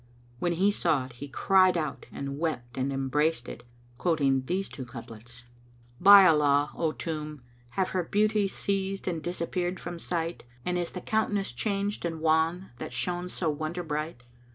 When he saw it, he cried out and wept and embraced it, quoting these two couplets, [FN#232] "By Allah, O tomb, have her beauties ceased and disappeared from sight * And is the countenance changed and wan, that shone so wonder bright?